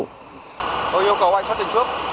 tôi yêu cầu anh xác định trước